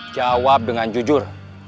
jawab dengan jujur